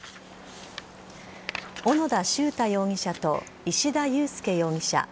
小野田秀太容疑者と石田悠介